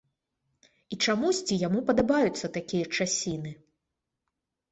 І чамусьці яму падабаюцца такія часіны.